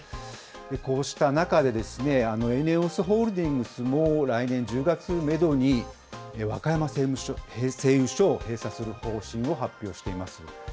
こうした中で、ＥＮＥＯＳホールディングスも、来年１０月をメドに、和歌山製油所を閉鎖する方針を発表しています。